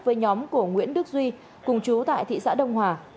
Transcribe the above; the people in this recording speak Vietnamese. với nhóm của nguyễn đức duy cùng chú tại thị xã đông hòa